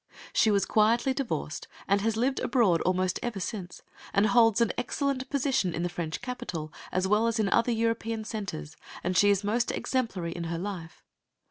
She was quietly divorced, and has lived abroad almost ever since, and holds an excellent position in the French capital, as well as in other European centres, and she is most exemplary in her life.